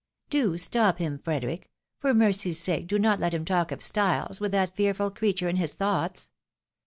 " Do stop him, Frederic ! For mercy's sake do not let him talk of styles, with that fearful creature in his thoughts